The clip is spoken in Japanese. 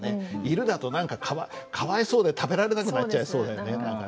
「いる」だと何かかわいそうで食べられなくなっちゃいそうだよね。